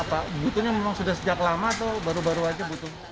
butuhnya memang sudah sejak lama atau baru baru aja butuh